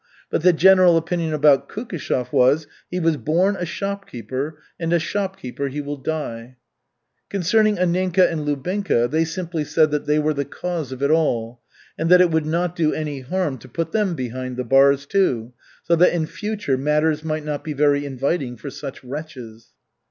But the general opinion about Kukishev was, "He was born a shopkeeper, and a shopkeeper he will die!" Concerning Anninka and Lubinka they simply said that "they were the cause of it all," and that it would not do any harm to put them behind the bars, too, so that in future matters might not be very inviting for such wretches.